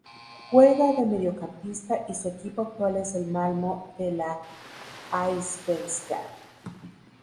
Juega de Mediocampista y su equipo actual es el Malmö de la Allsvenskan.